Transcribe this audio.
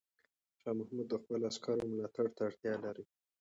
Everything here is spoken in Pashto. شاه محمود د خپلو عسکرو ملاتړ ته اړتیا لري.